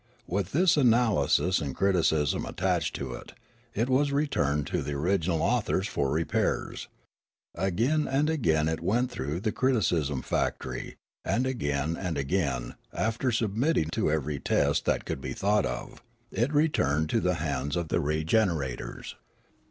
With this analysis and criticism attached to it, it was returned to the original authors for repairs. Again and again it went through the criticism factory, and again and I02 Riallaro again, after submitting to ever> test that could be thought of, it returned to the hands of the regenerators.